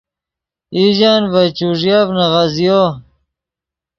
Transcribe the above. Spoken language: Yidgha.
ایژن ڤے چوݱیف نیغزیو